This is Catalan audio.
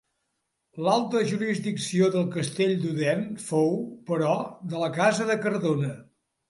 L'alta jurisdicció del castell d'Odèn fou, però, de la casa de Cardona.